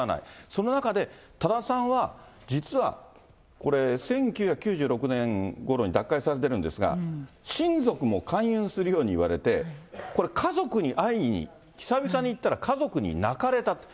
その中で、多田さんは、実はこれ、１９９６年ごろに脱会されてるんですが、親族も勧誘するように言われて、家族に会いに、久々に行ったら、家族に泣かれたと。